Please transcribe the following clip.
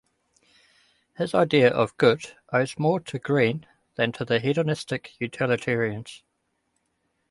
His idea of good owes more to Green than to the hedonistic utilitarians.